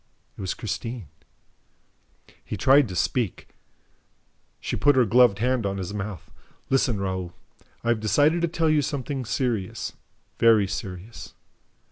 It was Christine. He tried to speak. She put her gloved hand on his mouth. "Listen, Raoul. I have decided to tell you something serious, very serious